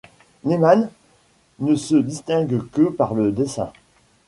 Neiman ne se distingue que par le dessin.